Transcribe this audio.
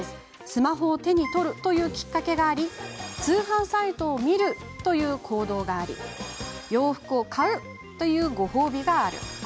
スマホを手に取るというきっかけがあり通販サイトを見るという行動があり洋服を買うというご褒美がある。